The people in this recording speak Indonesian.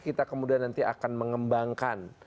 kita kemudian nanti akan mengembangkan